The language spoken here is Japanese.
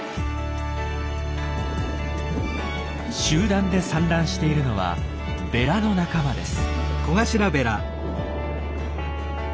集団で産卵しているのはベラの仲間です。